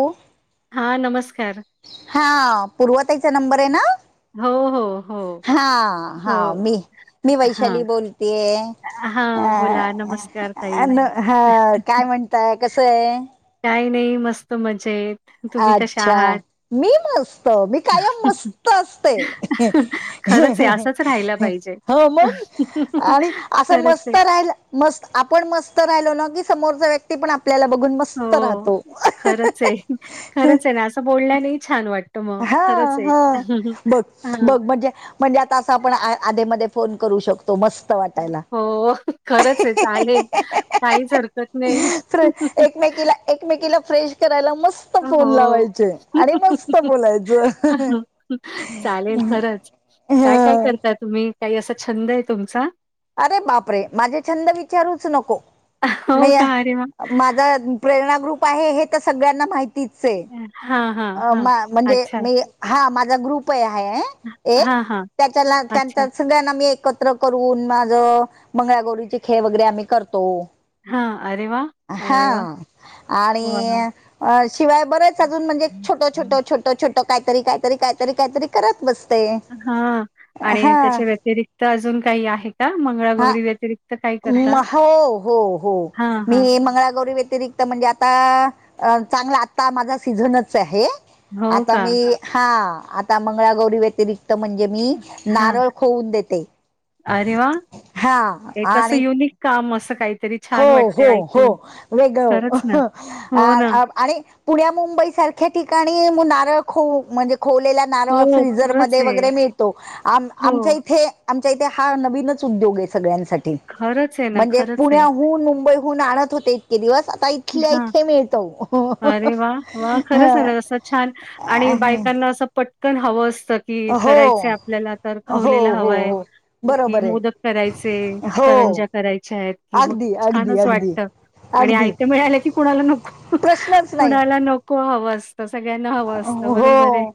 हो, हा, नमस्कार. हा पूर्वा ताईचा नंबर आहे ना, हो हो, हो, हा हा, हो. मी मी, वैशाली हां, बोलतीये. हां, बोला. नमस्कार ताई. अ न हा, काय म्हणताय, कसं आहे. काही नाही. मस्त मजेत. तुम्ही कशा अच्छा, आहात? मी मस्त, मी कायम मस्त असते. खरंच आहे, असंच राहायला पाहिजे. हो, मग आणि असं खरंच मस्त आहे. राहिल. मस्त आपण मस्त राहिलो ना, की समोरचा व्यक्ती पण आपल्याला बघून मस्त राहतो. खरच आहे ना, असं बोलल्याने ही छान वाटत. हा हा, बघ हां. बघ म्हणजे म्हणजे आता असं आपण आ आधेमध्ये फोन करू शकतो. मस्त वाटायला हो, खरंच आहे चालेल, काहीच हरकत नाही. फ्र एकमेकीला एकमेकीला फ्रेश करायला. मस मस्त फोन हो. लावायचे आणि मस्त बोलायचं. काय काय ह करता, तुम्ही काही असा छंद आहे. तुमचा अरे, बाप रे, माझे छंद विचारूच नको, हो बया का? अरे वाह! माझा प्रेरणा ग्रुप आहे. हे तर सगळ्यांना माहितीच आहे. हा हा, अ म्हणजे मी हा माझा ग्रुप आहे. ये, हां, हां. त्याच्या अच्छा. लागतातच सगळ्यांना मी एकत्र करून माझ मंगळागौरीचे खेळ वगैरे आम्ही करतो. हां. अरे वाह! हा, अरे वाह! आणि वाह! अ शिवाय बरेच अजून म्हणजे छोट छोट छोट छोटं काहीतरी काहीतरी काहीतरी काहीतरी करत बसते. हा आणि हा त्याच्या व्यतिरिक्त अजून काही आहे का हा मंगळागौरी व्यतिरी म हो हो हो हां, मी हां. मंगळागौरी व्यतिरि त म्हणजे आता चांगला आता माझा सीझनच आहे हो आता का? मी हा आता मंगळागौरी व्यतिरिक्त म्हणजे मी हां. नारळ खोऊन देते हा. तसं युनिक काम असं काहीतरी हो छान हो वाटतंय हो ऐकून. वेगळं खरंच ना. हो ना. आणि पुण्या मुंबई सारख्या ठिकाणी म नारळ खो म्हणजे खोवलेल्या नारळ हो, फ्रीजर खरंच मध्ये आहे. वगैरे मिळतो आम-आमच्या हो, इथे आमच्या इथे हा नवीनच उद्योगेय सगळ्यांसाठी खरंच आहे ना, म्हणजे खरंच आहे. पुण्या हून मुंबईहून आणत होते इतके दिवस आता इत हा अरे वा वा खरंच [unintelligible] रस्सा छान आणि बायकांना असं पटकन हवं असतं कि हो करायचंय हो आपल्याला तर खवलेला हो हवाय. हो कि बरोबर मोदक आहे करायचे हो. करंजा करायच्यात कि मग छानच वाटत. आगदी ते मिळाले की कुणाला नको नाही कुणाला नको हवस त सगळ्यांना हवं असतं बरोबरेय. हो.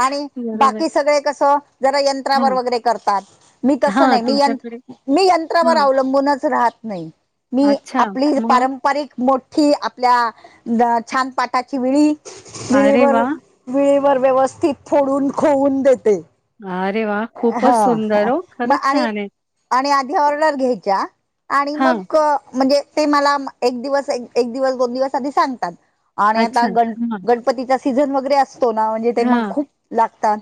आणि बाकी सगळे कस जरा यंत्रावर हां, वगैरे करतात मी तसं हां, नाही मी यंन तुमच्याकडे मी हां, यंत्रावर अवलंबूनच राहत नाई मी अच्छा. आपली मग? पारंपरिक मो ठि आपल्या छान पाटाची विळी अरे विळीवर वाह! वळीवर व्यवस्थित फोडून खोऊन देते. अरे वाह खूपच हो सुंदर ओ मग खरंच आणि छानेय. आणि आधी ऑर्डर घ्यायच्या आणि हां. मक म्हणजे ते मला एक दिवस एक दिवस दोन दिवस आधी सांगतात आणि आता अच्छा. हां, गन-गण तर तिचा सीझन वगैरे असतो ना म्हणजे ते मग हां. खूप लागता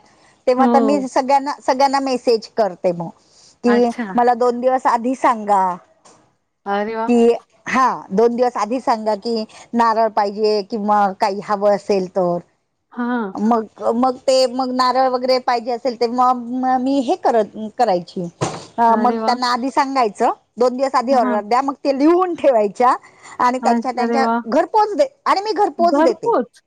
तेव्हा हो. सगळ्यांना सगळ्यांना मेसेज करते मग कि अच्छा. मला दोन दिवस आधी सांगा. अरे वा. कि हा दोन दिवस आधीच सांगा की नारळ पाहिजे किंवा काही हवं असेल तर. हा. मग-मग ते मग नारळ वगैरे पाहिजे असेल ते मग म- मी हे करत करायची. ह मग अरे वाह! त्यांना आधी सांगायचं दोन दिवस आधी हां. ऑर्डर द्या मग ते लिहून ठेवायच्या. आणि अ त्यांच्या अरे त्यांच्या वाह! घर पोहोच दे आणि मी घर पोहोच देते. घरपोच.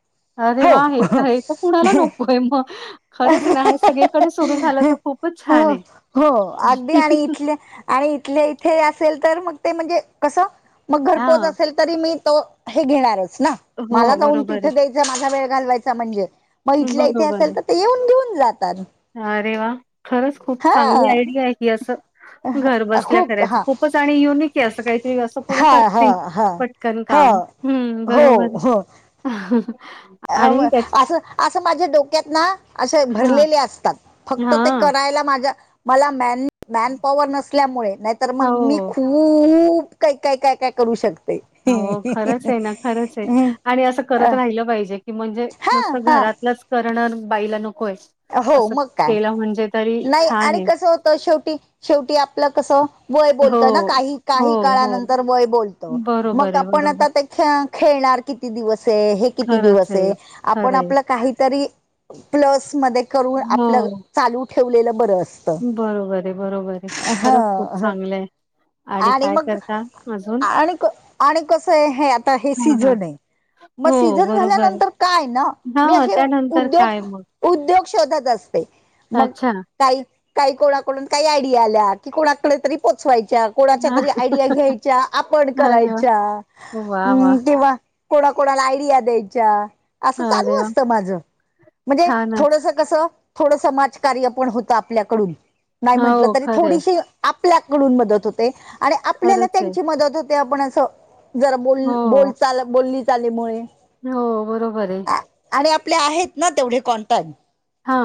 अरे हो वा हे काय हे तर कुणाला नकोय मग खरंच ना सगळे कड सुरू झालं तर खूपच हो छानेय. हो अगदी आणि इथले आणि इथल्या इथे असेल तर मग ते म्हणजे कसं मग घरपोच हां. असेल तरी मी तो हे घेणारच ना. मला हो, जाऊन बरोबर आहे. तिथं द्यायचं माझा वेळ घालवायचा म्हणजे मग इथल्या इथे बरोबर आहे. असेल तर ते येऊन घेऊन जातात. अरे वा खरंच खूप चांगली हा आयडिया हाय ही असं. घर बसल्या खूप करायचं हा खूपच आणि युनिक आहे असं काहीतरी असं हा हा कोणी हा [unintelligible] पटकन हा काम. हं, हो बरोबर आहे. हो. [unintelligible] अ त्याच असं, असं माझ्या डोक्यात ना असे हां, भरलेले असतात फक्त ते हां. करायला माझ्या मला म मॅन पॉवर नसल्यामुळे नाहीत मग मी हो, खू खूप काही काय, काय, काय करू शकते हो खरंच आहे ना खरंच आहे हं, आणि असं करत राहिलं पाहिजे की म्हणजे हा नुसतं हा घरातलंच करण बाईला नकोय हो असं मग काय केलं म्हणजे तरी नाही छान आणि आहे. कसं होत शेवटी, शेवटी आपलं कसं वय बोलत ना हो. काही, हो, काही हो. काळानंतर वय बोलत बरोबर मग आहे, आपण बरोबर. आता ते खे खेळणार किती दिवस आहे हे किती खरंच दिवस आहे खरं आपण आहे. आपलं काहीतरी प्लस स मध्ये करून आपलं हो. चालू ठेवलेलं बरस बरोबर आहे, बरोबर आहे खरंच खूप ह चांगलं आहे आणि काय मग करता अजून? आणि, आणि कसं आहे हे आता हे हां, हां. सीझन आहे मग हो, सीझन बरोबर आहे. झाल्यानंतर काय ना मी हां, असे त्यानंतर उद्योग काय मग? उद्योग शोधत असते मग अच्छा. काही, काही कोणाकडून काही आयडिया आल्या की कोणाकडे तरी पोचवायच्या कोणाच्या तरी आयडिया घ्यायच्या आपण अरे वाह! करायच्या वाह, वाह! ह् किंवा कोणा, कोणाला आयडिया द्यायच्या असं अरे चालू वाह! असतं माझ म्हणजे छानच. तसं कसं थोडं समाजकार्य पण होतं आपल्याकडून नाही म्हटलं हो, तरी खरं आहे. थोडीशी आपल्याकडून मदत होते आणि आपल्याला खरंच आहे. त्यांची मदत होते आपण असं जरा बोल, बोल हो, चाल बोलली चालीमुळे हो बरोबर आहे आणि आपले आहेत ना तेवढे कॉन्टॅक्ट हा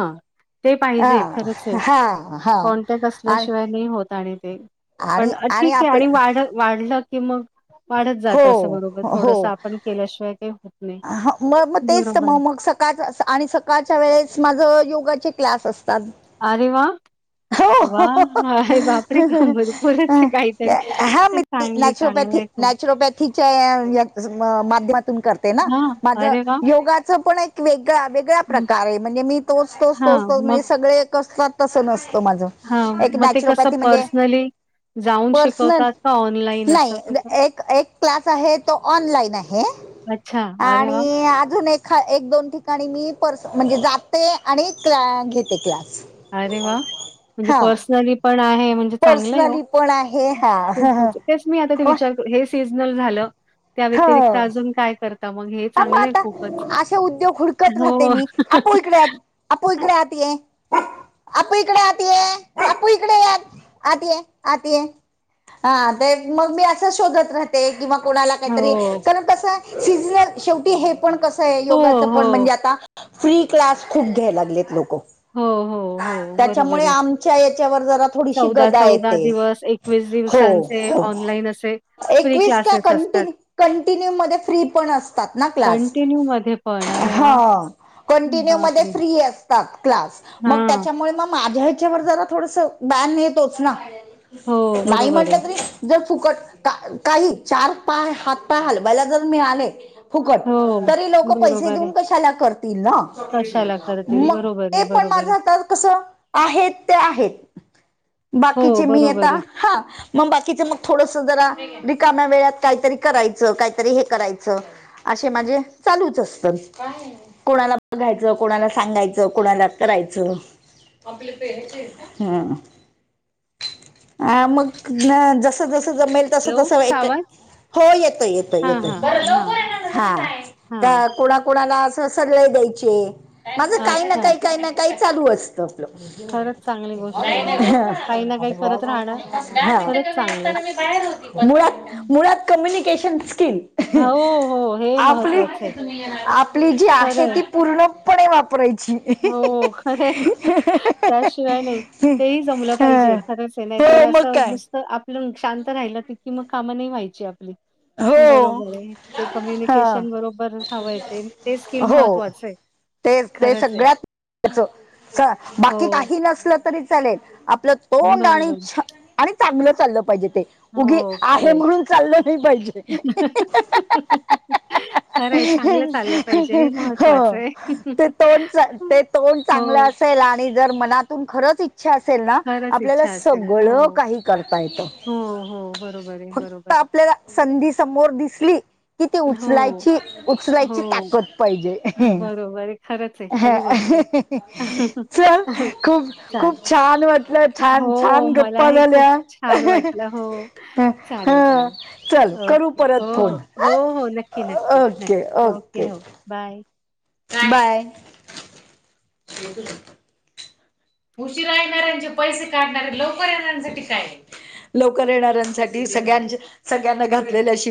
ते पाहिजे हा खरंच आहे हा, हा कॉन्टॅक्ट आणि असल्याशिवाय नाही होत आणि ते पण आणि ठीक आहे आणि आपलं वाढत वाढलं की मग वाढत जात असं बरोबर हो थोडस आपण केल्याशिवाय ते ह म मग तेच तर म मग स का आणि सकाळच्या वेळेस माझ योगाचे क्लास असतात अरे वा वा हो अरे बापरे का भरपूरच काहीतरी हा मी चांगली, चांगलं नॅचरोपॅथी आहे खूप. नॅचरोपॅथीच्या माध्यमातून करते ना हां, माझ अरे वाह! योगाच पण एक वेगळ [unintelligible] सगळ्या हं, प्रकार आहे म्हणजे मी तोच, तोच, तोच, हां, तोच म्हणजे सगळे कसलात तसं नसतं माझं ह एक म ते कसं नॅचरोपॅथी म्हणजे पर्सनली जाऊन पर्सनल शिकवतात का ऑनलाईन नाही असं कसं? एक, एक क्लास आहे तो ऑनलाइन आहे अच्छा, अरे वाह! आणि अजून एक एक दोन ठिकाणी मी पर्स म्हणजे जाते आणि क्ला घेते क्लास अरे वा म्हणजे हा पर्सनली पण आहे म्हणजे चांगलं आहे हो. पर्सनली पण आहे हा ह, ह खूपच. तेच मी आता विचार हे सीजनल झालं त्या व्यतिरिक्त अजून काय कर ह मग आता असे उद्योग हुडकत राहते हो. मी [unintelligible] अपू इकडे आत ये आपू इकडे आत ये, आपू इकडे ये आत, आत ये, आत ये हा ते मग मी असं शोधत राहते की मग कोणाला काहीतरी हो. कारण कस सीजनल शेवटी हे पण कसं आहे हो, योगाचं पण म्हणजे हो. आता फ्री क्लास खूप घ्यायला लागलेत लोक. हो हो. हो हो त्याच्यामुळे बरोबर आमच्या याच्यावर जरा थोडीशी चौदा गदा चौदा येते दिवस एकवीस दिवस हो ते हो ऑनलाईन असे फ्री एकवीस क क्लासेस कंट असतात. कंटिन्यू मध्ये फ्री पण असतात ना क्लास. कळणारे वा हा. कंटिन्यू मध्ये फ्री असतात क्ला स मग हां. त्याच्यामुळे म माझ्या ह्याच्यावर जरा थोड बन येतो ना? हो, नाही बरोबर म्हटलं आहे. तरी जर फुकट का काही चार पाय हात पाय हलवायला जर मिळाले. फुकट हो, तरी लोक पैसे बरोबर आहे. देऊन कशाला करतील ना? कशाला करतील? मग बरोबर ते आहे, पण बरोबर आहे. माझा कस आहेत ते आहेत हो, बाकीचे मी आता बरोबर आहे. हा मग बाकीच मग थोडस जरा रिकाम्या वेळात काहीतरी करायचं काहीतरी हे करायचं. असे माझे चालूच असतात. कोणाला बघायचं, कोणाला सांगायचं, कोणाला करायचं. [unintelligible] हम्म. आ मग ना जस जस जमेल तसं हॅलो तसं ता एक वाज हो येतो येतो येतोय जरा हां, लवकर यांना हां. त्या कोणा कोणाला अस सल द्यायचे माझं काही ना अच्छा. काही काही ना काही चालू असत. खरंच चांगली हा गोष्ट आहे. म्हणजे असं हा. काही ना काही करत राहणं खरंच चांगलं आहे. मुळात हं. मुळात कम्युनिकेशन स्किल हो, हो. हे आपली महत्वाचं आहे. आपली जी आहे ती पूर्णपणे वापरायची. हो खरे हे. हा. त्यायशिवाय नाही. तेही जमलं पाहिजे हं. खरंच हे नाही तर हो मग असं काय नुसतं आपलं शांत राहिलं की कि मग काम नाही व्हायची आपली. हा! हो बरोबर आहे ते कम्युनिकेशन बरोबर हवंयेत ते स्किल हो महत्त्वाचं आहे. ते ते खरंच आहे. सगळ्यातच बाकी हो, काही नसलं तरी चालेल आपलं. तोंड बरोबर. आणिछ आणि चांगलं चाललं पाहिजे ते उगी हो, खरं आहे म्हणून चाललं नाही खरं आहे. पाहिजे चांगलं चाललं पाहिजे हे हो महत्वाचं आहे. ते तोंड ते तोंड चांगलं हो, अस ते आणि जर मनातून खरचछ इच्छा असेल ना खरंच आपल्याला इच्छा असेल. सगळं हो. काही करता येतं. हो हो बरोबर ये बरोबर ये. तर संधी समोर दिसली कि ते हो, उचलायची उचलायची ताकद पाहिजे. दो बारे खरंच हे. ह च खूप खूप छान वाटलं. हो छान हो छान गप्पा मलाही खूप झाल्या छान वाटलं हो चालेल ह चालेल. चल करू ओके हो परत हो फोन हो हो नक्की नक्की ओके हो बाय. बाय. ब उशीरा येणाऱ्यांचे पैसे काढणाराय लवकर येणाऱ्यांसाठी काय? लवकर येणाऱ्यांसाठी सगळ्याच्या सगळ्यांना घातलेल्या शिव